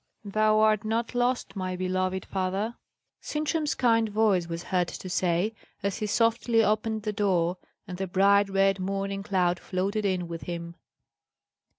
"Thou art not lost, my beloved father!" Sintram's kind voice was heard to say, as he softly opened the door, and the bright red morning cloud floated in with him.